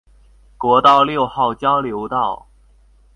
國道六號交流道